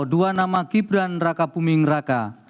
dua nama gibran raka buming raka